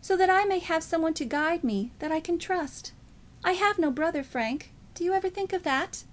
"So that I may have some one to guide me that I can trust. I have no brother, Frank; do you ever think of that?"